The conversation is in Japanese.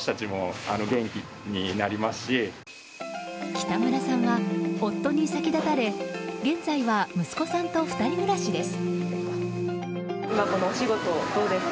北村さんは夫に先立たれ現在は息子さんと２人暮らしです。